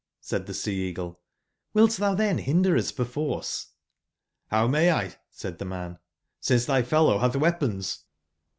said tbe Sea/ eagle, ''wilt tbou tben binder us perforce ?''j^" How may X," said tbe man, "since tby fellow batb wea pons